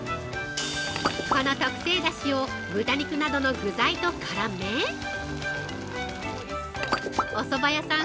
この特製出汁を豚肉などの具材と絡めおそば屋さん